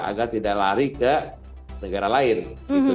agar tidak lari ke negara lain gitu